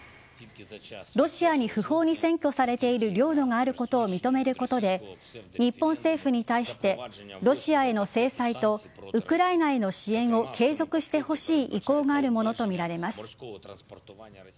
ロシアに不法に占拠されている領土があることを認めることで日本政府に対してロシアへの制裁とウクライナへの支援を継続してほしい意向があるものとみられます。